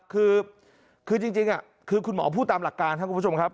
คือจริงคือคุณหมอพูดตามหลักการครับคุณผู้ชมครับ